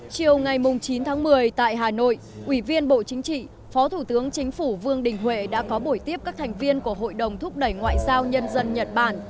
chiều ngày chín tháng một mươi tại hà nội ủy viên bộ chính trị phó thủ tướng chính phủ vương đình huệ đã có buổi tiếp các thành viên của hội đồng thúc đẩy ngoại giao nhân dân nhật bản